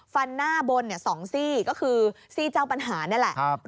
หน้าบน๒ซี่ก็คือซี่เจ้าปัญหานี่แหละ